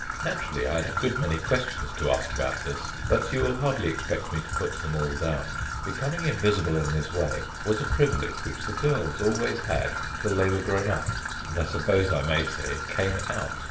Naturally, I had a good many questions to ask about this, but you will hardly expect me to put them all down. Becoming invisible in this way was a privilege which the girls always had till they were grown up, and I suppose I may say "came out."